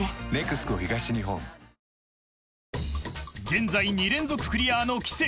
［現在２連続クリアの奇跡］